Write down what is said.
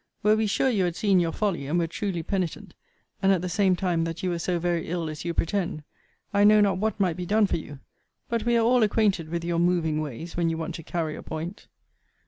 Were we sure you had seen your folly, and were truly penitent, and, at the same time, that you were so very ill as you pretend, I know not what might be done for you. But we are all acquainted with your moving ways when you want to carry a point.